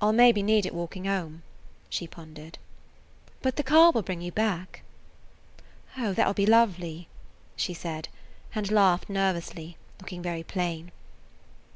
"I 'll maybe need it walking home," she pondered. "But the car will bring you back." "Oh, that will be lovely," she said, and laughed nervously, looking very plain.